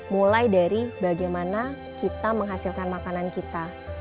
mulai dari bagaimana kita menghasilkan makanan kita